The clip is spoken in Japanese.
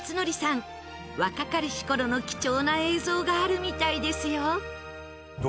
若かりし頃の貴重な映像があるみたいですよ。